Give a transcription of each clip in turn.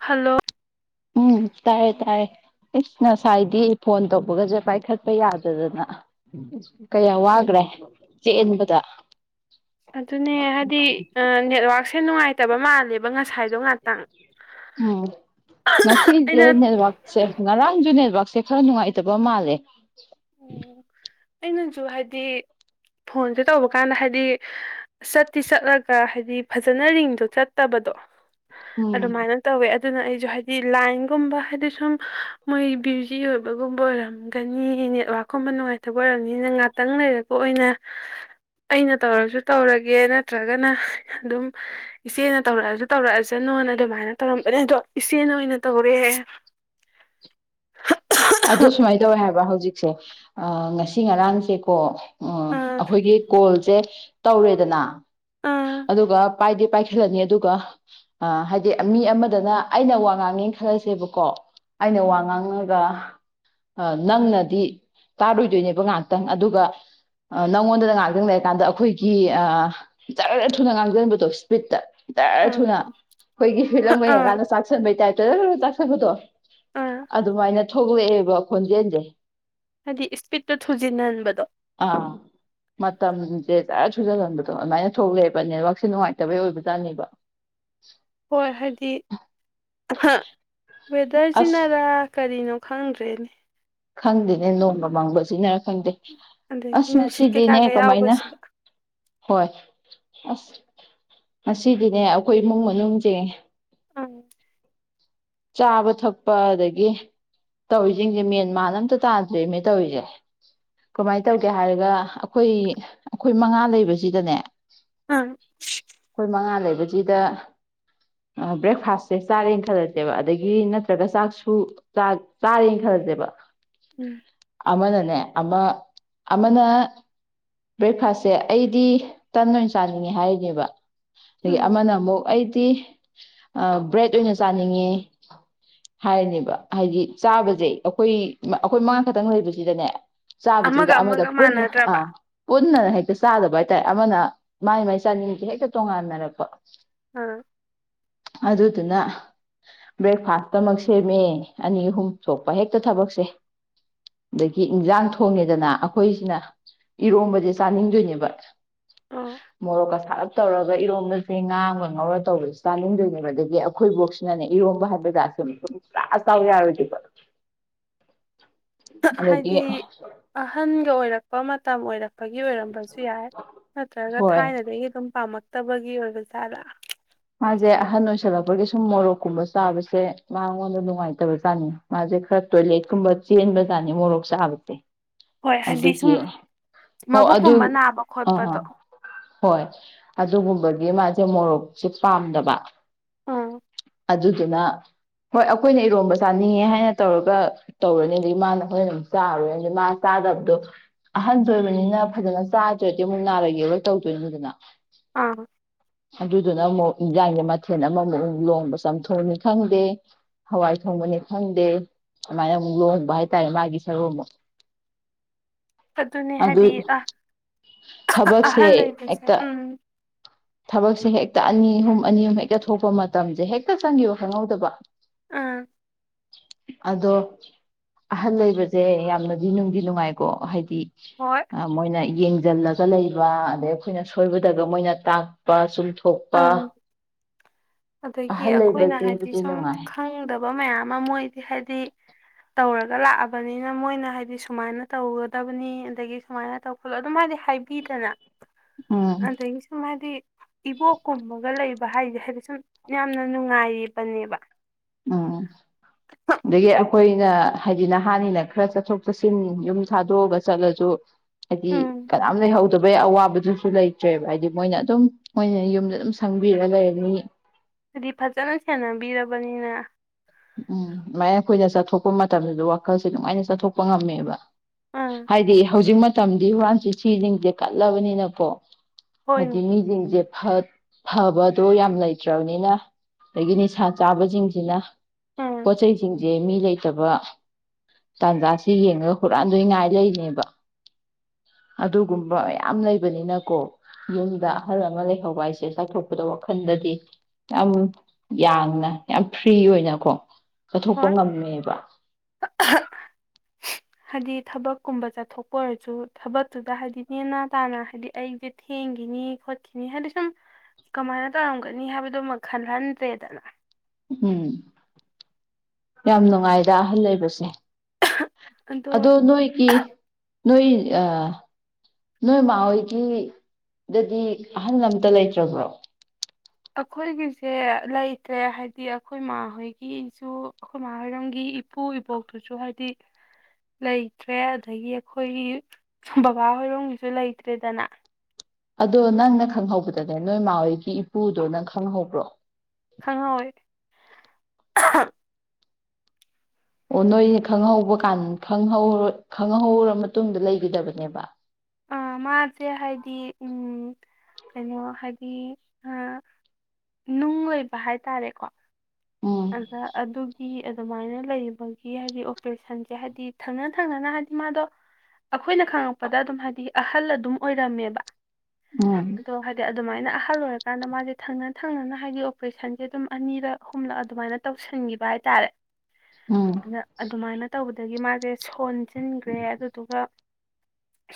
Hello ꯎꯝ ꯇꯥꯏ ꯇꯥꯏ ꯏꯁꯁ ꯉꯁꯥꯏꯗꯤ ꯐꯣꯟ ꯇꯧꯕꯒꯁꯦ ꯄꯥꯏꯈꯠꯄ ꯌꯥꯗꯗꯅ ꯀꯌꯥ ꯋꯥꯈ꯭ꯔꯦ ꯆꯦꯟꯕꯗ ꯑꯗꯨꯅꯦ ꯍꯥꯏꯗ ꯑꯦ ꯅꯦꯇꯋꯥꯔꯛ ꯁꯦ ꯅꯨꯉ꯭ꯒꯥꯏꯇꯦ꯫ ꯇꯥꯕꯥ ꯃ꯭ꯂꯦ ꯕꯥ ꯉꯁꯥꯏ ꯗꯨ ꯉꯛꯇꯥꯡ꯫ ꯎꯝ ꯑꯦꯅꯖꯤꯁꯤ ꯁꯦ ꯑꯩꯅ ꯅꯦꯇꯋꯥꯔꯛ ꯁꯦ ꯉꯔꯥꯡ ꯁꯨꯅꯦ꯫ ꯅꯦꯇꯋꯥꯔꯛ ꯁꯦ ꯈ꯭ꯔꯥ ꯅꯨꯡꯗꯥꯕꯥ ꯃ꯭ꯂꯦ꯫ ꯑꯩꯅꯁꯨ ꯍꯥꯏꯗꯤ ꯐꯣꯟꯁꯦ ꯇꯧꯕ ꯀꯥꯟꯗ ꯍꯥꯏꯗꯤ ꯆꯠꯇꯤ ꯆꯠꯂꯒ ꯍꯥꯏꯗꯤ ꯐꯖꯅ ꯔꯤꯡꯗꯣ ꯆꯠꯇꯕꯗꯣ ꯎꯝ ꯑꯗꯨꯃꯥꯏꯅꯥ ꯇ꯭ꯕꯦ꯫ ꯑꯗꯨꯅ ꯑꯩꯁꯨ ꯍꯥꯏꯗꯤ ꯂꯥꯏꯟꯒꯨꯝꯕ ꯍꯥꯏꯗꯤ ꯁꯨꯝ ꯃꯣꯏ ꯕꯌꯨꯖꯤ ꯑꯣꯏꯕꯒꯨꯝꯕ ꯑꯣꯏꯔꯝꯒꯅꯤꯅꯦ ꯋꯥꯈꯣꯝꯕ ꯅꯨꯡꯉꯥꯏꯇꯕ ꯑꯣꯏꯔꯕꯅꯤꯅ ꯉꯍꯥꯛꯇꯪ ꯂꯩꯔꯛꯄ ꯑꯣꯏꯅ ꯑꯩꯅ ꯇꯧꯔꯁꯨ ꯇꯧꯔꯒꯦ ꯅꯠꯇ꯭ꯔꯒꯅ ꯑꯗꯨꯝ ꯏꯆꯦꯅ ꯇꯧꯔꯛꯑꯁꯨ ꯇꯧꯔꯛꯑꯁꯅꯣꯅ ꯑꯗꯨꯃꯥꯏꯅ ꯇꯧꯔꯝꯕꯅꯦ ꯑꯗꯣ ꯏꯆꯦꯅ ꯑꯣꯏꯅ ꯇꯧꯔꯦ ꯑꯗꯨ ꯁꯨꯃꯥꯏ ꯇ꯭ꯕꯦ ꯍꯥꯏꯕꯥ ꯍ꯭ꯋꯖꯤꯛ꯫ ꯁꯦ ꯑꯥ ꯉꯁꯤ ꯉꯔꯥꯡ ꯁꯦ ꯀꯣ꯫ ꯑꯥ ꯑ ꯑꯈꯣꯏꯒꯤ ꯀꯜ ꯁꯦ꯫ ꯇ꯭ꯔꯦꯗꯅꯥ ꯇꯧꯕꯥ꯫ ꯑꯥ ꯑꯗꯨꯒꯥ꯫ ꯄꯥꯏꯗꯤꯦ ꯄꯥꯏꯈꯠꯂꯅꯤ ꯑꯗꯨꯒ ꯑ ꯍꯥꯏꯗꯤ ꯃꯤ ꯑꯃꯗꯅ ꯑꯩꯅ ꯋꯥ ꯉꯥꯡꯉꯦ ꯈꯜꯂꯁꯦꯕꯀꯣ ꯑꯩꯅꯥ ꯋꯥ ꯉꯪ ꯒꯥ꯫ ꯅꯪꯅꯗꯤ ꯇꯥꯔꯣꯏꯗꯣꯏꯅꯦꯕ ꯉꯥꯏꯍꯥꯛꯇꯪ ꯑꯗꯨꯒ ꯅꯪꯉꯣꯟꯗꯅ ꯉꯥꯏꯥꯛꯇꯪ ꯂꯩꯔꯀꯥꯟꯗ ꯑꯩꯈꯣꯏꯒꯤ ꯖꯔ ꯊꯨꯅ ꯉꯥꯡꯖꯟꯕꯗꯣ ꯏꯁꯄꯤꯠꯇ ꯈꯤꯇꯔ ꯑꯥ ꯊꯨꯅ ꯑꯩꯈꯣꯏꯒꯤ ꯍꯂꯝꯒ ꯑꯥ ꯌꯦꯡꯀꯥꯟꯗ ꯆꯥꯛꯁꯟꯕꯩꯇꯥꯏ ꯆꯥꯛꯕꯗꯣ ꯑꯥ ꯑꯗꯨꯃꯥꯏꯅ ꯦꯕ ꯈꯣꯟꯖꯦꯦꯟꯖꯦ ꯍꯥꯏꯗꯤ ꯏꯁꯄꯤꯠꯇꯣ ꯊꯨꯖꯤꯟꯍꯟꯕꯗꯣ ꯑꯥ ꯃ ꯃꯇꯝꯦ ꯆ ꯁꯨꯖꯜꯍꯟꯕꯗꯣ ꯑꯗꯨꯃꯥꯏꯅ ꯊꯣꯛꯂꯛꯑꯦꯕ ꯅꯦꯠꯋꯔꯥꯛꯁꯦ ꯅꯨꯡꯉꯥꯏꯇꯕꯩ ꯑꯣꯏꯕꯖꯥꯠꯅꯦꯕ ꯍꯣꯏ ꯍꯥꯏꯗꯤ ꯍꯥ ꯑꯁ ꯋꯦꯗꯔꯁꯤꯅꯗ ꯀꯔꯤꯅꯣ ꯈꯪꯗ꯭ꯔꯦꯅꯦ ꯈꯪꯗꯦꯅꯦ ꯅꯣꯡꯃ ꯃꯪꯕ ꯁꯤꯖꯤꯟꯅꯔ ꯈꯪꯗꯦ ꯑꯗꯒꯤ ꯑꯁꯅꯦ ꯅꯨꯡꯁꯤꯠ ꯁꯤꯗꯤꯅꯦ ꯀꯩꯀꯥꯒ ꯀꯃꯥꯏꯅ ꯌꯥꯎꯕꯁꯤꯗ ꯍꯣꯏ ꯑꯁ ꯉꯁꯤꯗꯤꯅꯦ ꯑꯩꯈꯣꯏ ꯏꯃꯨꯡ ꯃꯅꯨꯡꯁꯦ ꯎꯝ ꯆꯥꯕ ꯊꯛꯄ ꯑꯗꯒꯤ ꯇꯧꯔꯤꯁꯤꯡꯁꯦ ꯃꯦꯟ ꯃꯅ ꯑꯝꯇ ꯇꯥꯗ꯭ꯔꯤꯅꯦ ꯇꯧꯔꯤꯁꯦ ꯀꯃꯥꯏꯅ ꯇꯧꯒꯦ ꯍꯥꯏꯔꯒ ꯑꯩꯈꯣꯏ ꯑꯩꯈꯣꯏ ꯃꯉꯥ ꯂꯩꯕꯁꯤꯗꯅꯦ ꯑꯥ ꯑꯩꯣꯏ ꯃꯉꯥ ꯂꯩꯕ ꯁꯤꯗ ꯕ꯭ꯔꯦꯛꯐꯥꯁꯁꯦ ꯆꯥꯔꯦꯅ ꯈꯜꯂꯗꯤ ꯦꯕ ꯑꯗꯒꯤ ꯅꯠꯇ꯭ꯔꯒ ꯆꯥꯛꯁꯨꯥꯛ ꯆꯥꯔꯦꯅ ꯈꯜꯂꯁꯦꯕ ꯎꯝ ꯑꯃꯅ ꯎꯝ [unintelligible] ꯆꯥꯅꯤꯡꯉꯦ ꯍꯥꯏꯔꯅꯦꯕ ꯍꯥꯏꯗꯤ ꯆꯥꯕꯁꯦ ꯑꯩꯈꯣꯏ ꯑꯩꯈꯣꯏ ꯃꯉꯥ ꯈꯛꯇꯪ ꯂꯩꯕꯁꯤꯗꯅꯦ ꯆꯥꯕꯁꯤꯗ ꯑꯃꯒ ꯑꯃꯗ ꯑꯃꯒ ꯄꯨꯟꯅ ꯑ ꯃꯥꯟꯅꯗ꯭ꯔꯕ ꯄꯨꯟꯅꯅ ꯍꯦꯛꯇ ꯆꯥꯗꯕ ꯍꯥꯏ ꯍꯥꯏ ꯇꯥꯏ ꯑꯃꯅ ꯃꯥꯏ ꯃꯥꯏ ꯆꯥꯅꯤꯡꯒꯤ ꯍꯦꯛꯇ ꯇꯣꯡꯉꯥꯟꯅꯔꯛꯄ ꯑ ꯑꯗꯨꯗꯗꯨꯅ ꯕ꯭ꯔꯦꯛꯐꯥꯁꯇꯃꯛ ꯁꯦꯝꯃꯦ ꯑꯅꯤ ꯑꯍꯨꯝ ꯊꯣꯛꯄ ꯍꯦꯛꯇ ꯊꯕꯛꯁꯦ ꯑꯗꯒꯤ ꯏꯟꯁꯥꯡ ꯊꯣꯡꯉꯦꯗꯅ ꯑꯩꯈꯣꯏꯁꯤꯅ ꯏꯔꯣꯝꯕꯁꯦ ꯆꯥꯅꯤꯡꯗꯣꯏꯅꯦꯕ ꯑꯣ ꯃꯣꯔ ꯀ ꯁꯥ ꯇꯧꯔꯒ ꯏꯔꯣꯝꯗ ꯐꯦ ꯉꯥꯡꯉ ꯉꯧꯔ ꯇꯧꯕꯁꯨ ꯆꯥꯅꯤꯡꯗꯣꯏꯅꯦꯕ ꯑꯗꯒꯤ ꯑꯩꯈꯣꯏꯐꯥꯎ ꯅ ꯅ ꯏ ꯋꯥꯔꯃꯦ ꯇꯥꯁ ꯑꯣꯏ ꯇ꯭ꯔꯥꯁ ꯑ ꯌꯥꯔ ꯊ ꯐ ꯍꯥꯏꯗꯤ ꯑꯍꯟꯒ ꯑꯣꯏꯔꯛꯄ ꯇ ꯑꯣꯏꯔ ꯐꯒꯤ ꯑꯣꯏꯔꯝꯕꯁꯨ ꯌꯥꯏ ꯅꯠꯇ꯭ꯔꯒ ꯍꯣꯏ ꯊꯥꯏꯅꯗꯤ ꯑꯩ ꯑꯗꯨꯝ ꯄꯥꯝꯃꯛ ꯐꯠꯇꯕꯒꯤ ꯑꯣꯏꯕꯖꯥꯠꯂꯥ ꯃꯥꯁꯦ ꯑꯍꯟ ꯑꯣꯏꯁꯜꯂꯛꯄꯒꯤ ꯁꯨꯝ ꯃꯣꯔꯣꯛꯀꯨꯝꯕ ꯆꯥꯕꯁꯦ ꯃꯥꯉꯣꯟꯗ ꯅꯨꯡꯉꯥꯏꯇꯕꯖꯥꯠꯅꯤ ꯃꯥꯁꯦ ꯈꯔ ꯇꯣꯏꯂꯦꯠꯀꯨꯝꯕ ꯆꯦꯟꯕꯖꯥꯠꯅꯤ ꯃꯣꯔꯣꯛ ꯆꯥꯕꯁꯦ ꯍꯣꯏ ꯍꯥꯏꯗꯤ ꯁꯨꯝ ꯑꯗꯨꯒꯤ ꯑꯣ ꯑꯗꯨ ꯃꯕꯨꯛꯀꯨꯝꯕ ꯅꯥꯕ ꯑꯥ ꯑꯥ ꯈꯣꯠꯄꯗꯣ ꯍꯣꯏ ꯑꯗꯨꯒꯨꯝꯕꯒꯤ ꯃꯥꯁꯦ ꯃꯣꯔꯣꯛ ꯁꯤ ꯄꯥꯝꯗꯕ ꯑꯥ ꯑꯗꯨꯗꯨꯅ ꯍꯣꯏ ꯑꯩꯈꯣꯏꯅ ꯏꯔꯣꯝꯕ ꯆꯥꯅꯤꯡꯉꯦ ꯍꯥꯏꯅ ꯇꯧꯔꯒ ꯇꯧꯔꯅꯤ ꯑꯗꯒꯤ ꯃꯥꯅ ꯍꯣꯏꯅ ꯑꯃꯨꯛ ꯆꯥꯔꯣꯏ ꯑꯗꯨꯗꯤ ꯃꯥ ꯆꯥꯗꯕꯗꯣ ꯑꯍꯟꯁꯨ ꯑꯣꯏꯕꯅꯤꯅ ꯐꯖꯅ ꯆꯥꯗ꯭ꯔꯗꯤ ꯑꯃꯨꯛ ꯅꯥꯔꯒꯦꯔ ꯇꯧꯗꯣꯏꯅꯣ ꯑꯗꯨꯅ ꯑꯥ ꯑꯗꯨꯅ ꯑꯃꯨꯛ ꯏꯟꯖꯥꯡꯒꯤ ꯃꯊꯦꯜ ꯑꯃꯃꯨꯛ ꯑꯃꯨꯛ ꯂꯣꯡꯕ ꯆꯝꯊꯣꯡꯅꯤ ꯈꯪꯗꯦ ꯍꯋꯥꯏ ꯊꯣꯡꯕꯅꯤ ꯈꯪꯗꯦ ꯑꯗꯨꯃꯥꯏꯅ ꯑꯃꯨꯛ ꯂꯣꯡꯍꯕ ꯍꯥꯏꯇꯥꯔꯦ ꯃꯥꯒꯤ ꯁꯔꯨ ꯑꯃꯨꯛ ꯑꯗꯨꯅꯦ ꯑꯗꯨ ꯍꯥꯏꯗꯤ ꯑꯍꯟ ꯊꯕꯛꯁꯦ ꯑꯍꯜ ꯂꯩꯕꯁꯦ ꯍꯦꯛꯇ ꯎꯝ ꯊꯕꯛꯁꯦ ꯍꯦꯛꯇ ꯍꯦꯛꯇ ꯑꯅꯤ ꯑꯍꯨꯝ ꯑꯅꯤ ꯑꯍꯨꯝ ꯍꯦꯛꯇ ꯊꯣꯛꯄ ꯃꯇꯝꯁꯦ ꯍꯦꯛꯇ ꯆꯪꯈꯤꯕ ꯈꯪꯍꯧꯗꯕ ꯑꯥ ꯑꯗꯣ ꯑꯍꯟ ꯂꯩꯕꯁꯦ ꯌꯥꯝꯅꯗꯤ ꯅꯨꯡꯗꯤ ꯅꯨꯡꯉꯥꯏꯀꯣ ꯍꯥꯏꯗꯤ ꯍꯣꯏ ꯃꯣꯏꯅ ꯌꯦꯡꯁꯤꯜꯂꯒ ꯂꯩꯕ ꯑꯗꯩ ꯑꯩꯈꯣꯏꯅ ꯁꯣꯏꯕꯗꯒ ꯃꯣꯏꯅ ꯇꯥꯛꯄ ꯆꯨꯝꯊꯣꯛ ꯑ ꯑꯗꯒꯤ ꯑꯍꯜ ꯑꯩꯈꯣꯏꯅ ꯂꯩꯕꯁꯦ ꯍꯥꯏꯗꯤ ꯑꯗꯨꯗꯤ ꯁꯨꯝ ꯅꯨꯡꯉꯥꯏ ꯈꯪꯗꯕ ꯃꯌꯥꯝ ꯑꯃ ꯃꯣꯏꯗꯤ ꯍꯥꯏꯗꯤ ꯇꯧꯔꯒ ꯂꯥꯛꯑꯕꯅꯤꯅ ꯃꯣꯏꯅ ꯍꯥꯏꯗꯤ ꯁꯨꯃꯥꯏꯅ ꯇꯧꯒꯗꯕꯅꯤ ꯑꯗꯒꯤ ꯁꯨꯃꯥꯏꯅ ꯇꯧ ꯈꯣꯠꯂꯣ ꯑꯗꯨꯝ ꯍꯥꯏꯗꯤ ꯍꯥꯏꯕꯤꯗꯅ ꯎꯝ ꯑꯗꯁꯨ ꯃꯥꯗꯤ ꯏꯕꯣꯛꯀꯨꯝꯕꯒ ꯂꯩꯕ ꯍꯥꯏꯁꯦ ꯍꯥꯏꯗꯤ ꯁꯨꯝ ꯌꯥꯝꯅ ꯅꯨꯡꯉꯥꯏꯔꯤꯕꯅꯦꯕ ꯎꯝ ꯑꯗꯒꯤ ꯑꯩꯈꯣꯏꯅ ꯍꯥꯏꯗꯤ ꯅꯍꯥꯟꯅꯤꯅ ꯈꯔ ꯆꯠꯊꯣꯛ ꯆꯠꯁꯤꯟ ꯌꯨꯝ ꯊꯥꯗꯣꯛꯑꯒ ꯆꯠꯂꯁꯨ ꯍꯥꯏꯗꯤ ꯎꯝ ꯀꯅꯥꯝ ꯂꯩꯍꯧꯗꯕꯩ ꯑꯋꯥꯕ ꯁꯨ ꯂꯩꯇ꯭ꯔꯦꯕ ꯍꯥꯏꯗꯤ ꯃꯣꯏꯅ ꯑꯗꯨꯝ ꯃꯣꯏꯅ ꯌꯨꯝꯗ ꯑꯗꯨꯝ ꯁꯪꯕꯤꯔ ꯂꯩꯔꯅꯤ ꯑꯗꯨꯗꯤ ꯐꯖꯅ ꯁꯦꯟꯅꯕꯤꯔꯕꯅꯤꯅ ꯎꯝ ꯑꯗꯨꯃꯥꯏꯅ ꯑꯩꯈꯣꯏꯅ ꯆꯠꯊꯣꯛꯄ ꯃꯇꯝꯁꯤꯗ ꯋꯥꯈꯜꯁꯦ ꯑꯗꯨꯃꯥꯏꯅ ꯆꯠꯊꯣꯛꯄ ꯉꯝꯃꯦꯕ ꯎꯝ ꯍꯥꯏꯗꯤ ꯍꯧꯖꯤꯛ ꯃꯇꯝꯗꯤ ꯍꯟꯁꯨ ꯁꯤꯁꯤꯡꯁꯦ ꯀꯠꯂꯕꯅꯤꯅꯀꯣ ꯍꯥꯏꯗꯤ ꯍꯣꯏꯅꯦ ꯃꯤꯁꯤꯡꯁꯦ ꯐꯠ ꯐꯕꯗꯣ ꯌꯥꯝ ꯂꯩꯇ꯭ꯔꯕꯅꯤꯅ ꯑꯗꯒꯤ ꯅꯤꯁꯥ ꯆꯥꯕꯁꯤꯡꯁꯤꯅ ꯎꯝ ꯄꯆꯩꯁꯤꯡꯁꯦ ꯃꯤ ꯂꯩ ꯐꯠꯇꯕ ꯇꯥꯟꯖꯥꯁꯤ ꯌꯦꯡꯉꯒ ꯍꯨꯔꯥꯟꯗꯣꯏꯉꯥꯏ ꯂꯩꯅꯦꯕ ꯑꯗꯨꯒꯨꯝꯕ ꯌꯥꯝꯌꯥꯝ ꯂꯩꯕꯅꯤꯅꯀꯣ ꯌꯨꯝꯗ ꯑꯍꯜ ꯑꯃ ꯂꯩꯍꯧꯕ ꯍꯥꯏꯁꯦ ꯆꯥꯎꯥꯛꯊꯣꯛꯄꯗ ꯋꯥꯈꯜꯗꯗꯤ ꯌꯥꯝ ꯌꯥꯡꯅ ꯌꯥꯝ ꯐ꯭ꯔꯤ ꯑꯣꯏꯅꯀꯣ ꯍꯣꯏ ꯀꯠꯊꯣꯛꯄ ꯉꯝꯃꯦꯕ ꯍꯥꯏꯗꯤ ꯊꯕꯛꯀꯨꯝꯕ ꯆꯠꯊꯣꯛꯄ ꯑꯣꯏꯔꯁꯨ ꯊꯕꯛꯇꯨꯗ ꯍꯥꯏꯗꯤ ꯅꯦꯅꯥ ꯇꯥꯅ ꯍꯥꯏꯗꯤ ꯑꯩꯁꯦ ꯊꯦꯡꯈꯤꯅꯤ ꯈꯣꯠꯈꯤꯅꯤ ꯍꯥꯏꯗꯤ ꯁꯨꯝ ꯀꯃꯥꯏꯅ ꯇꯧꯔꯝꯒꯅꯤ ꯍꯥꯏꯕꯗꯨꯃ ꯈꯜꯍꯟꯗ꯭ꯔꯦꯗꯅ ꯎꯝ ꯌꯥꯝ ꯅꯨꯡꯉꯥꯏꯗ ꯑꯍꯜ ꯂꯩꯕꯁꯦ ꯑꯗꯣ ꯅꯣꯏꯒꯤ ꯅꯣꯏ ꯅꯣꯏ ꯃꯥꯍꯣꯏꯒꯤ ꯗꯗꯤ ꯑꯍꯟ ꯑꯝꯇ ꯂꯩꯇ꯭ꯔꯕ꯭ꯔꯣ ꯑꯩꯈꯣꯏꯒꯤꯁꯦ ꯂꯩꯇ꯭ꯔꯦ ꯍꯥꯏꯕꯗꯤ ꯑꯩꯈꯣꯏ ꯏꯃꯥ ꯍꯣꯏꯒꯤꯁꯨ ꯑꯩꯈꯣꯏꯃꯥ ꯍꯣꯏꯔꯝꯒꯤ ꯏꯄꯨ ꯏꯕꯣꯛꯇꯨꯁꯨ ꯍꯥꯏꯗꯤ ꯂꯩꯇ꯭ꯔꯦ ꯑꯗꯒꯤ ꯑꯩꯈꯣꯏꯒꯤ ꯕꯕꯥ ꯍꯣꯏꯔꯣꯡꯒꯤꯁꯨ ꯂꯩꯇ꯭ꯔꯦꯗꯅ ꯑꯗꯣ ꯅꯪꯅ ꯈꯪꯍꯧꯕꯗꯅꯦ ꯅꯣꯏ ꯃꯥꯣꯏꯒꯤ ꯏꯄꯨꯗꯣ ꯅꯪ ꯈꯪꯍꯧꯕ꯭ꯔꯣ ꯑ ꯑꯣ ꯅꯣꯏꯁ ꯈꯪꯍꯧꯕ ꯀꯥꯟ ꯈꯍꯧ ꯈꯪꯍꯧꯔ ꯃꯇꯨꯡꯗ ꯂꯩꯈꯤꯗꯕꯅꯦꯕ ꯃꯥꯁꯦ ꯍꯥꯏꯗꯤ ꯀꯩꯅꯣ ꯍꯥꯏꯗꯤ ꯅꯨꯡ ꯑꯣꯏꯕ ꯍꯥꯏꯇꯥꯔꯦꯀꯣ ꯎꯝ ꯑ ꯑꯗꯨꯒꯤ ꯑꯗꯨꯃꯥꯏꯅ ꯂꯩꯕꯒꯤ ꯍꯥꯏꯗꯤ ꯑꯣꯄꯔꯦꯁꯟꯁꯦ ꯍꯥꯏꯗꯤ ꯊꯪꯅ ꯊꯪꯅꯅ ꯍꯥꯏꯗꯤ ꯃꯥꯗꯣ ꯑꯩꯈꯣꯏꯅ ꯈꯪꯉꯛꯄꯗ ꯑꯗꯨꯝ ꯍꯥꯏꯗꯤ ꯑꯍꯜ ꯑꯗꯨꯝ ꯑꯣꯏꯔꯝꯃꯦꯕ ꯎꯝ ꯑꯣ ꯑꯗꯨꯃꯥꯏꯅ ꯑꯍꯜ ꯑꯣꯏꯔꯀꯥꯟꯗ ꯃꯥꯁꯦ ꯊꯪꯅ ꯊꯪꯅꯅ ꯍꯥꯏꯗꯤ ꯑꯣꯄꯔꯦꯁꯟꯁꯦ ꯑꯗꯨꯝ ꯑꯅꯤꯔꯛ ꯍꯨꯝꯂꯛ ꯑꯗꯨꯃꯥꯏꯅ ꯇꯧꯁꯟꯈꯤꯕ ꯍꯥꯏꯇꯥꯔꯦ ꯎꯝ ꯑꯗ ꯑꯗꯨꯃꯥꯏꯅ ꯇꯧꯕꯗ ꯑꯗꯒꯤ ꯃꯥꯁꯦ ꯁꯣꯟꯁꯤꯟꯈ꯭ꯔꯦ ꯑꯗꯨꯗꯨꯒ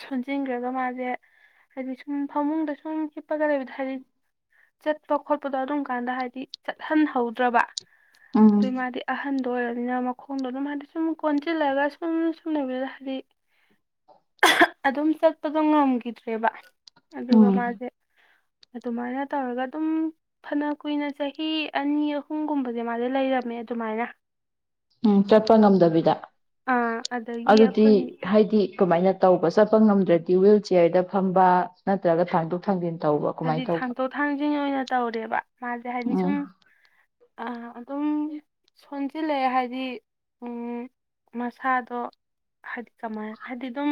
ꯁꯣꯟꯁꯤꯟꯈ꯭ꯔꯒ ꯃꯥꯁꯦ ꯍꯥꯏꯗꯤ ꯁꯨꯝ ꯐꯃꯨꯡꯗ ꯁꯨꯝ ꯍꯤꯞꯄꯒ ꯂꯩꯕꯗ ꯍꯥꯏꯗꯤ ꯆꯠꯄ ꯈꯣꯠꯄꯗꯣ ꯑꯗꯨꯝ ꯀꯥꯟꯗ ꯍꯥꯏꯗꯤ ꯆꯠꯍꯟꯍꯧꯗ꯭ꯔꯕ ꯎꯝ ꯑꯗꯨ ꯃꯥꯗꯤ ꯑꯍꯟ ꯑꯣꯏꯔꯅꯤꯅ ꯃꯈꯣꯡꯗꯣ ꯑꯗꯨꯝ ꯍꯥꯏꯗꯤ ꯁꯨꯝ ꯀꯣꯟꯁꯤꯜꯂꯒ ꯁꯨꯝ ꯁꯨꯝ ꯂꯩꯕꯤꯗ ꯍꯥꯏꯗꯤ ꯑ ꯑꯗꯨꯝ ꯁꯛꯇꯗ ꯉ ꯉꯝ ꯠꯇ꯭ꯔꯦꯕ ꯑꯗꯨꯒ ꯎꯝ ꯃꯥꯁꯦ ꯑꯗꯨꯃꯥꯏꯅ ꯇꯧꯔꯒ ꯑꯗꯨꯝ ꯐꯅ ꯀꯨꯏꯅ ꯆꯍꯤ ꯑꯅꯤ ꯑꯍꯨꯝꯒꯨꯝꯕꯗ ꯑꯗꯨ ꯃꯥꯗꯤꯦ ꯂꯩꯔꯝꯃꯦ ꯑꯗꯨꯃꯥꯏꯅ ꯎꯝ ꯆꯠꯄ ꯉꯝꯗꯕꯤꯗ ꯑꯥ ꯑꯗꯒꯤ ꯑꯗꯨꯗꯤ ꯑꯩꯈꯣꯏꯒꯤ ꯍꯥꯏꯗꯤ ꯀꯃꯥꯏꯅ ꯇꯧꯕ ꯆꯠꯄ ꯉꯝꯗ꯭ꯔꯗꯤ ꯍꯨꯏꯜ ꯆꯤꯌꯔꯗ ꯐꯝꯕ ꯅꯠꯇ꯭ꯔꯒ ꯊꯥꯡꯗꯣꯛ ꯊꯥꯡꯖꯤꯟ ꯇꯧꯕ ꯍꯥꯏꯗꯤ ꯀꯃꯥꯏꯅ ꯇꯧꯕ ꯊꯥꯡꯇꯣꯛ ꯊꯥꯡꯁꯤꯡ ꯑꯣꯏꯅ ꯇꯧꯔꯦꯕ ꯃꯥꯁꯦ ꯍꯥꯏꯗꯤ ꯎꯝ ꯁꯨꯝ ꯑꯗꯨꯝ ꯁꯣꯟꯁꯤꯜꯂꯛꯑꯦ ꯍꯥꯏꯗꯤ ꯃꯁꯥꯗꯣ ꯍꯥꯏꯗꯤ ꯀꯃꯥꯏ ꯍꯥꯏꯗꯤ ꯑꯗꯨꯝ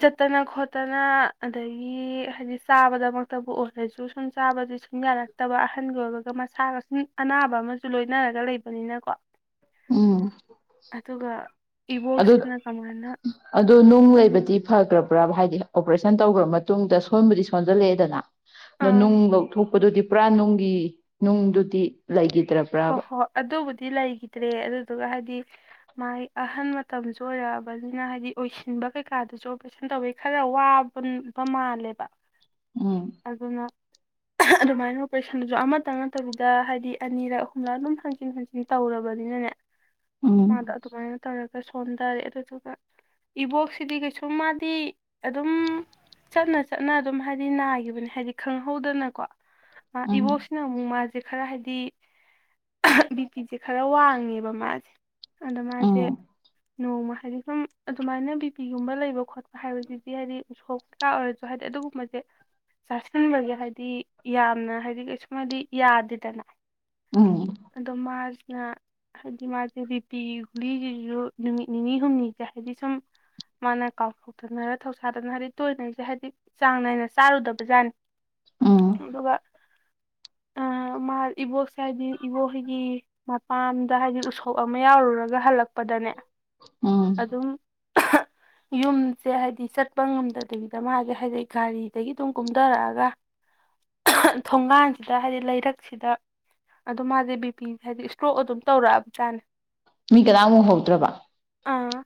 ꯆꯠꯇꯅ ꯈꯣꯠꯇꯅ ꯑꯗꯒꯤ ꯍꯥꯏꯗꯤ ꯆꯥꯕꯗꯃꯛꯇꯕꯨ ꯑꯣꯏꯔꯁꯨ ꯁꯨꯝ ꯆꯥꯕꯗꯤ ꯁꯨꯝ ꯌꯥꯔꯛꯇꯕ ꯑꯍꯟꯒꯤ ꯑꯣꯏꯕꯒ ꯃꯁꯥꯒ ꯁꯨꯝ ꯑꯅꯥꯕ ꯑꯃꯁꯨ ꯂꯣꯏꯅꯔꯒ ꯂꯩꯕꯅꯤꯅꯀꯣ ꯎꯝ ꯑꯗꯨꯒ ꯑꯗꯨ ꯏꯕꯣꯛꯁꯤꯅ ꯀꯃꯥꯏꯅ ꯑꯗꯨ ꯅꯨꯡ ꯂꯩꯕꯗꯤ ꯐꯈ꯭ꯔꯕ ꯄꯨꯔꯥ ꯍꯥꯏꯗꯤ ꯑꯣꯄꯔꯦꯁꯟ ꯇꯧꯈ꯭ꯔ ꯃꯇꯨꯡꯗ ꯁꯣꯟꯕꯨꯗꯤ ꯁꯣꯟꯖꯜꯂꯛꯑꯦꯗꯅ ꯑꯗꯣ ꯑꯥ ꯅꯨꯡ ꯂꯧꯊꯣꯛꯄꯗꯨꯗꯤ ꯄꯨꯔꯥ ꯅꯨꯡꯒꯤ ꯅꯨꯡꯗꯨꯗꯤ ꯂꯩꯈꯤ ꯍꯣꯏ ꯍꯣꯏ ꯑꯗꯨꯕꯨꯗꯤ ꯂꯩꯈꯤꯗ꯭ꯔꯦ ꯑꯗꯨ ꯑꯗꯨꯒ ꯍꯥꯏꯗꯤ ꯃꯥꯒꯤ ꯑꯍꯟ ꯃꯇꯝꯁꯨ ꯑꯣꯏꯔꯛꯑꯕꯅꯤꯅ ꯍꯥꯏꯗꯤ ꯑꯣꯏꯁꯤꯟꯕ ꯀꯩꯀꯥꯗꯨꯁꯨ ꯑꯣꯄꯔꯦꯁꯟ ꯇꯧꯕꯋ ꯈꯔ ꯋꯥꯕꯕ ꯃꯥꯜꯂꯦꯕ ꯎꯝ ꯑꯗꯨꯅ ꯑꯗꯨꯃꯥꯏꯅ ꯑꯣꯄꯔꯦꯁꯟꯗꯨꯁꯨ ꯑꯃꯇ ꯅꯠꯇꯕꯤꯗ ꯍꯥꯏꯗꯤ ꯑꯅꯤꯔꯛ ꯂ ꯑꯗꯨꯝ ꯍꯪꯆꯤꯟ ꯍꯪꯆꯤꯟ ꯇꯧꯔꯕꯅꯤꯅꯅꯦ ꯎꯝ ꯃꯥꯗ ꯑꯗꯨꯨꯥꯏ ꯇꯔ ꯁꯣꯟꯊꯔꯦ ꯑꯗꯨꯗꯨꯒ ꯏꯕꯣꯛꯁꯤꯗꯤ ꯀꯩꯁꯁꯨ ꯃꯥꯗꯤ ꯑꯗꯨꯝ ꯆꯠꯅ ꯆꯠꯅ ꯑꯗꯨꯝ ꯍꯥꯏꯗꯤ ꯅꯥꯈꯤꯕꯅꯤ ꯍꯥꯏꯗꯤ ꯈꯪꯍꯧꯗꯅꯀꯣ ꯑ ꯎꯝ ꯏꯕꯣꯁꯅ ꯃ ꯃꯥ ꯁꯦ ꯈꯔ ꯍꯥꯏꯗꯤ ꯕꯤꯄꯤꯤꯁꯦ ꯈꯔ ꯋꯥꯡꯉꯦꯕ ꯃꯥꯁꯦ ꯑ ꯃꯥ ꯎꯝ ꯆꯦ ꯅꯣꯡꯃ ꯍꯥꯏꯗꯤ ꯁꯨꯝ ꯑꯗꯨꯃꯥꯏꯅ ꯕꯤ ꯄꯤꯒꯨꯝꯕ ꯂꯩꯕ ꯈꯣꯠꯄ ꯍꯥꯏꯕꯁꯤꯗꯤ ꯍꯥꯏꯗꯤ ꯎꯁꯣꯛꯀꯥ ꯑꯣꯏꯔꯁꯨ ꯍꯥꯏꯗꯤ ꯑꯗꯨꯒꯨꯝꯕꯁꯦ ꯆꯥꯁꯤꯟꯕꯒꯤꯦ ꯍꯥꯏꯕꯗꯤ ꯌꯥꯝꯅ ꯍꯥꯏꯗꯤ ꯀꯩꯁꯨꯝ ꯍꯥꯏꯗꯤ ꯌꯥꯗꯦꯗꯅ ꯎꯝ ꯑꯗꯣ ꯃꯥꯔꯆ ꯍꯥꯏꯗꯤ ꯃꯥꯁꯦ ꯔꯤꯄꯤꯤ ꯒꯨꯂꯤꯁꯤꯁꯨ ꯅꯨꯃꯤꯠ ꯅꯤꯅꯤ ꯍꯨꯝꯅꯤꯁꯦ ꯍꯥꯏꯗꯤ ꯁꯨꯝ ꯃꯥꯅ ꯀꯥꯎꯊꯣꯛꯇꯅꯔ ꯊꯧꯁꯥꯗꯅ ꯍꯥꯏꯗꯤ ꯇꯣꯏꯅꯁꯦ ꯍꯥꯏꯕꯗꯤ ꯆꯥꯡ ꯅꯥꯏꯅ ꯆꯥꯔꯨꯗꯕꯖꯥꯠꯅꯤ ꯎꯝ ꯑꯗꯨꯒ ꯃꯥ ꯏꯕꯣꯛꯁꯦ ꯍꯥꯏꯗꯤ ꯏꯕꯣꯣꯏꯒꯤ ꯃꯄꯥꯟꯗ ꯍꯥꯏꯗꯤ ꯎꯁꯣꯞ ꯑꯃ ꯌꯥꯎꯔꯨꯔꯒ ꯍꯜꯂꯛꯄꯗꯅꯦ ꯎꯝ ꯑꯗꯨꯝ ꯌꯨꯝꯁꯦ ꯍꯥꯏꯗꯤ ꯆꯠꯄ ꯉꯝꯗꯕꯤꯗ ꯃꯥꯁꯦ ꯍꯥꯏꯗꯤ ꯒꯥꯔꯤꯗꯒꯤ ꯑꯗꯨꯝ ꯀꯨꯝꯊꯔꯛꯑꯒ ꯊꯣꯡꯒꯥꯟꯁꯤꯗ ꯍꯥꯏꯗꯤ ꯂꯩꯔꯛꯁꯤꯗ ꯑꯗꯣ ꯃꯥꯁꯦ ꯕꯤꯄꯤꯦ ꯍꯥꯏꯗꯤ ꯏꯁꯇ꯭ꯔꯣꯛ ꯑꯗꯨꯝ ꯇꯧꯔꯛꯑꯕꯖꯥꯠꯅꯦ ꯃꯤ ꯀꯗꯥꯃꯨꯛ ꯍꯧꯗ꯭ꯔꯕ ꯑꯥ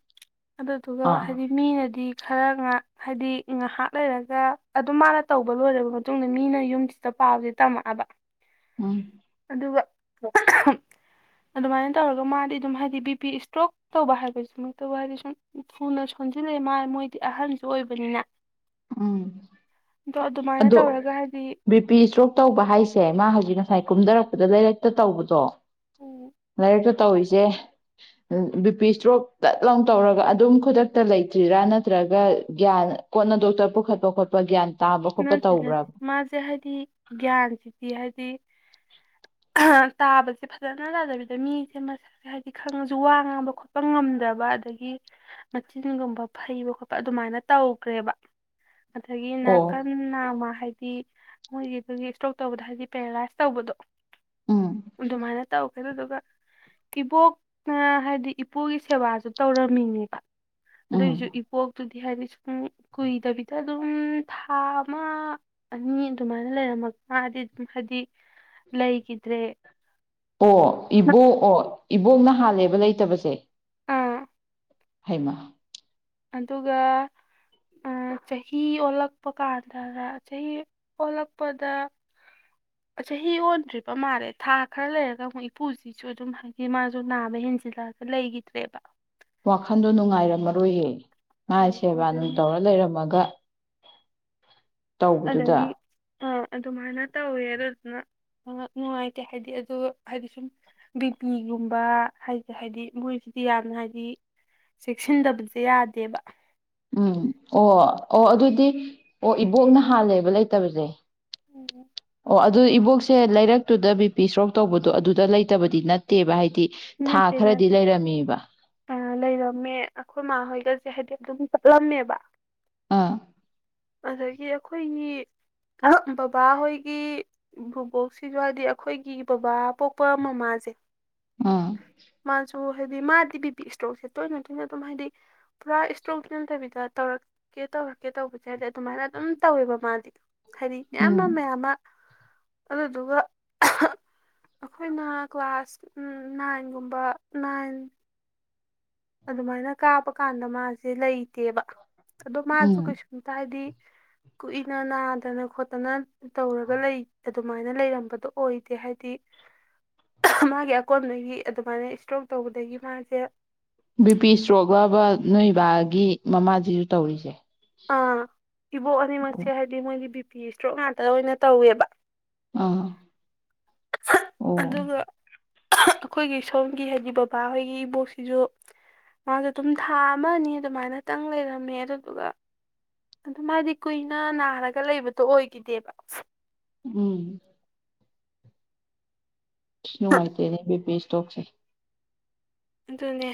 ꯑꯗꯨꯗꯨꯒ ꯑꯥ ꯍꯥꯏꯗꯤ ꯃꯤꯅꯗꯤ ꯈꯔ ꯉꯍꯥꯛ ꯍꯥꯏꯗꯤ ꯉꯥꯍꯥꯛ ꯂꯩꯔꯒ ꯑꯗꯨꯝ ꯃꯥꯅ ꯇꯧꯕ ꯂꯣꯏꯔꯕ ꯃꯇꯨꯡꯗ ꯃꯤꯅ ꯌꯨꯝꯁꯤꯗ ꯄꯥꯎꯖ ꯇꯝꯃꯛꯑꯕ ꯎꯝ ꯑꯗꯨꯒ ꯑꯍꯝ ꯑꯗꯨꯃꯥꯏꯅ ꯇꯧꯔꯒ ꯃꯥꯗꯤ ꯑꯗꯨꯝ ꯍꯥꯏꯗꯤ ꯕꯤ ꯄꯤ ꯏꯁꯇ꯭ꯔꯣꯛ ꯇꯧꯕ ꯍꯥꯏꯕꯁꯤꯃꯛ ꯇꯕꯨ ꯍꯥꯏꯗꯤ ꯁꯨꯝ ꯊꯨꯅ ꯁꯣꯟꯖꯤꯜꯂꯛꯑꯦ ꯃꯥ ꯃꯣꯏꯗꯤ ꯑꯍꯟꯁꯨ ꯑꯣꯏꯕꯅꯤꯅ ꯎꯝ ꯑꯗꯣ ꯑꯗꯨꯃꯥꯏꯅ ꯑꯗꯣ ꯇꯧꯔꯒ ꯍꯥꯏꯗꯤ ꯕꯤ ꯄꯤ ꯏꯁꯇ꯭ꯔꯣꯛ ꯇꯧꯕ ꯍꯥꯏꯁꯦ ꯃꯥ ꯍꯧꯖꯤꯛꯅ ꯉꯁꯥꯏ ꯀꯨꯝꯗꯔꯛꯄꯗ ꯂꯩꯔꯛꯇ ꯇꯧꯕꯗꯣ ꯎ ꯂꯩꯔꯇ ꯇꯧꯔꯤꯁꯦ ꯕꯤ ꯄꯤ ꯏꯁꯇ꯭ꯔꯣꯛ ꯇꯠ ꯂꯥꯎꯟ ꯇꯧꯔꯒ ꯑꯗꯨꯝ ꯈꯨꯗꯛꯇ ꯂꯩꯇ꯭ꯔꯤꯔꯥ ꯅꯠꯇ꯭ꯔꯒ ꯒ꯭ꯌꯥꯟ ꯀꯣꯟꯅ ꯙꯣꯛ ꯇ ꯄꯨꯈꯠꯄ ꯈꯣꯠꯄ ꯒ꯭ꯌꯥꯟ ꯇꯥꯕ ꯈꯣꯠꯄ ꯅꯠꯇ ꯅꯠꯇ ꯇꯧꯕ꯭ꯔꯕ ꯃꯥꯖ ꯍꯥꯏꯗꯤ ꯒꯌꯥꯟꯁꯤ ꯗꯤ ꯍꯥꯏꯗꯤ ꯑꯍ ꯇꯥꯕꯁꯤ ꯐꯖꯅ ꯅꯥꯗꯕꯤꯗ ꯃꯤꯁꯤ ꯃꯁꯛꯁꯦ ꯍꯥꯏꯗꯤ ꯈꯪꯉꯁꯨ ꯋꯥ ꯉꯥꯡꯕ ꯈꯣꯠꯄ ꯉꯝꯗꯕ ꯑꯗꯒꯤ ꯃꯆꯤꯟꯒꯨꯝꯕ ꯐꯩꯕ ꯈꯣꯄ ꯑꯗꯨꯃꯥꯏꯅ ꯇꯧꯈ꯭ꯔꯦꯕ ꯑꯗꯒꯤ ꯅꯥꯠ ꯑꯣ ꯀꯟꯅ ꯃꯥ ꯍꯥꯏꯗꯤ ꯃꯣꯏꯒꯤꯗꯨꯒꯤ ꯏꯁꯇ꯭ꯔꯣꯛ ꯇꯧꯕꯗꯣ ꯍꯥꯏꯗꯤ ꯄꯦꯔꯥꯂꯥꯏꯁ ꯇꯧꯕꯗꯣ ꯎꯝ ꯗꯨꯃꯥꯏꯅ ꯇꯧ ꯑꯗꯨꯗꯨꯒ ꯏꯕꯣꯛꯅ ꯍꯥꯏꯗꯤ ꯏꯄꯨꯒꯤ ꯁꯦꯕꯥꯁꯨ ꯇꯧꯔꯝꯃꯤꯅꯦꯕ ꯎꯝ ꯑꯗꯣꯏꯁꯨ ꯏꯄꯣꯛꯇꯨ ꯍꯥꯏꯗꯤ ꯁꯨꯝ ꯀꯨꯏꯗꯕꯤꯗ ꯑꯗꯨꯝ ꯊꯥ ꯑꯃ ꯑꯅꯤ ꯑꯗꯨꯃꯥꯏꯅ ꯂꯩꯔꯝꯃꯒ ꯑꯥꯗꯤ ꯑꯗꯨꯝ ꯍꯥꯏꯗꯤ ꯂꯩꯒꯤꯗ꯭ꯔꯦ ꯑꯣ ꯏꯕꯨꯛ ꯑꯣ ꯏꯕꯣꯛꯅ ꯍꯥꯜꯂꯦꯕ ꯂꯩꯇꯕꯁꯦ ꯑꯥ ꯍꯩꯃ ꯑꯗꯨꯒ ꯎꯪ ꯆꯍꯤ ꯑꯣꯜꯂꯛꯄ ꯀꯥꯟꯗ ꯔ ꯆꯍꯤ ꯑꯣꯜꯂꯛꯄꯗ ꯆꯍꯤ ꯑꯣꯟꯗ꯭ꯔꯤꯕ ꯃꯥꯜꯂꯦ ꯊꯥ ꯈꯔ ꯂꯩꯔꯒ ꯑꯃꯨꯛ ꯏꯄꯨꯁꯤꯁꯨ ꯑꯗꯨꯝ ꯍꯥꯏꯗꯤ ꯃꯥꯁꯨ ꯅꯥꯕ ꯍꯦꯟꯖꯤꯜꯂꯛꯑꯒ ꯂꯩꯒꯤꯗ꯭ꯔꯦꯕ ꯋꯥꯈꯟꯗꯣ ꯅꯨꯡꯉꯥꯏꯔꯝꯃꯔꯣꯏꯌꯦ ꯃꯥꯥꯏ ꯁꯦꯕꯥ ꯗꯨꯝ ꯑꯗꯒꯤ ꯇꯧꯔ ꯂꯩꯔꯝꯃꯒ ꯇꯧꯕꯗꯨꯗ ꯑꯗꯒꯤ ꯑꯪ ꯑꯗꯨ ꯃꯥꯅ ꯇꯧꯋꯦ ꯑꯗꯨꯗꯨꯅ ꯅ ꯅꯨꯡꯉꯥꯏꯇꯦ ꯍꯥꯏꯗꯤ ꯑꯗ ꯍꯥꯏꯗꯤ ꯁꯨꯝ ꯕꯤꯄꯤꯒꯨꯝꯕ ꯍꯥꯏꯗ ꯍꯥꯏꯗꯤ ꯃꯣꯏꯁꯤꯗꯤ ꯌꯥꯝꯅ ꯍꯥꯏꯗꯤ ꯆꯦꯛꯁꯤꯟꯗꯕꯖꯦ ꯌꯥꯗꯦꯕ ꯎꯝ ꯑꯣ ꯑꯣ ꯑꯗꯨꯗꯤ ꯑꯣ ꯏꯕꯣꯛꯅ ꯍꯥꯜꯂꯦꯕ ꯂꯩꯇꯕꯖꯦ ꯎꯝ ꯑꯣ ꯑꯗꯨ ꯏꯕꯣꯛꯁꯦ ꯂꯩꯔꯛꯇꯨꯗ ꯕꯤ ꯄꯤ ꯏꯁꯇ꯭ꯔꯣꯛ ꯇꯧꯕꯗꯣ ꯑꯗꯨꯗ ꯂꯩꯇꯕꯗꯤ ꯅꯠꯇꯦꯕ ꯍꯥꯏꯗꯤ ꯊꯥ ꯅꯠꯇꯦ ꯈꯔꯗꯤ ꯅꯠꯇꯦ ꯂꯩꯔꯝꯃꯦꯕ ꯑ ꯂꯩꯔꯝꯃꯦ ꯑꯈꯣꯏ ꯃꯥꯥ ꯍꯣꯏꯒꯁꯦ ꯍꯥꯏꯗꯤ ꯑꯗꯨꯝ ꯆꯠꯂꯝꯃꯦꯕ ꯑꯪ ꯑꯗꯒꯤ ꯑꯈꯣꯏꯅꯤ ꯑꯍꯛ ꯕꯕꯥ ꯍꯣꯏꯒꯤ ꯚꯨꯕꯣꯛꯁꯤꯖꯨ ꯍꯥꯏꯗꯤ ꯑꯩꯈꯣꯏꯒꯤ ꯕꯕꯥ ꯄꯣꯛꯄ ꯃꯃꯥꯖꯦ ꯑꯥ ꯑꯣ ꯍꯥꯏꯗꯤ ꯃꯥꯗꯤ ꯕꯤ ꯄꯤ ꯏꯁꯇ꯭ꯔꯣꯛꯖꯦ ꯇꯣꯏꯅ ꯇꯣꯏꯅ ꯑꯗꯨꯝ ꯍꯥꯏꯗꯤ ꯄꯨꯔꯥ ꯏꯁꯇ꯭ꯔꯣꯛ ꯇ ꯅꯗꯕꯤꯗ ꯇꯧꯔꯛꯀꯦ ꯇꯧꯔꯛꯀꯦ ꯇꯧꯕꯁꯦ ꯑꯗꯤ ꯑꯗꯨꯃꯥꯏꯅ ꯑꯗꯨꯝ ꯇꯧꯋꯦꯕ ꯃꯥꯗꯤ ꯍꯥꯏꯔꯤ ꯃꯌꯥꯝ ꯎꯝ ꯃꯥ ꯃꯌꯥꯝ ꯃꯥ ꯑꯗꯨꯗꯨꯒ ꯑꯩꯈꯣꯏꯅ ꯀ꯭ꯂꯥꯁ ꯎꯝ ꯅꯥꯏꯟꯒꯨꯝꯕ ꯅꯥꯏꯟ ꯑꯗꯨꯃꯥꯏꯅ ꯀꯥꯞꯄ ꯀꯥꯟꯗ ꯃꯥꯁꯦ ꯂꯩꯇꯦꯕ ꯑꯗꯣ ꯃꯥꯁꯨ ꯎꯝ ꯀꯩꯁꯨꯝꯇ ꯍꯥꯏꯗꯤ ꯀꯨꯏꯅ ꯅꯥꯗꯅ ꯈꯣꯠꯇꯅ ꯇꯧꯔꯒ ꯂꯩ ꯑꯗꯨꯃꯥꯏꯅ ꯂꯩꯔꯝꯕꯗꯣ ꯑꯣꯏꯗꯦ ꯍꯥꯏꯗꯤ ꯃꯥꯒꯤ ꯑꯀꯣꯟꯕꯗꯒꯤ ꯑꯗꯨꯃꯥꯏꯅ ꯏꯁꯇ꯭ꯔꯣꯛ ꯇꯧꯕꯗꯒꯤ ꯃꯥꯁꯦ ꯕꯤ ꯄꯤ ꯏꯁꯇ꯭ꯔꯣꯛ ꯂꯕ ꯅꯣꯏꯕꯥꯒꯤ ꯃꯃꯥꯁꯤꯁꯨ ꯇꯧꯔꯤꯁꯦ ꯑꯥ ꯏꯕꯣ ꯑꯅꯤ ꯃ ꯑꯣ ꯍꯥꯏꯗꯤꯣꯏ ꯐꯤ ꯏꯁꯇ꯭ꯔꯣꯛ ꯉꯥꯛꯇ ꯑꯣꯏꯅ ꯇꯧꯋꯦꯕ ꯑꯥ ꯑꯣ ꯑꯗꯨꯒ ꯑꯩꯈꯣꯏꯒꯤ ꯁꯣꯝꯒꯤ ꯍꯥꯏꯗꯤ ꯕꯕꯥꯍꯣꯏꯒꯤ ꯏꯕꯣꯛꯁꯤꯁꯨ ꯃꯥꯁꯨ ꯑꯗꯨꯝ ꯊꯥ ꯑꯃꯅꯤꯅꯤ ꯑꯗꯨꯃꯥꯏꯅꯇꯪ ꯂꯩꯔꯝꯃꯦ ꯑꯗꯨꯗꯨꯒ ꯑꯗꯨ ꯍꯥꯏꯥꯏꯗꯤ ꯀꯨꯏꯅ ꯅꯥꯔꯒ ꯂꯩꯕꯗꯣ ꯑꯣꯏꯈꯤꯗꯦꯕ ꯎꯝ ꯉꯥꯏꯇꯦꯅꯦ ꯕꯤ ꯄ ꯇꯣꯛꯁꯦ ꯑꯗꯨꯅꯦ